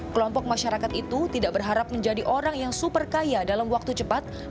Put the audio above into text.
kelompok masyarakat itu tidak berharap menjadi orang yang super kaya dalam waktu cepat